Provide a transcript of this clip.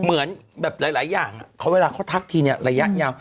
เหมือนแบบหลายอย่างเวลาเขาทักทีเนี่ยระยะยาว